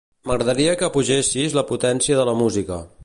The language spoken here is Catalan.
M'agradaria que apugessis la potència de la música.